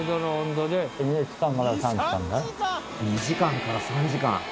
２時間から３時間。